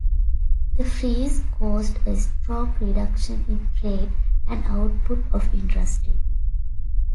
The freeze caused a strong reduction in trade and output of industry.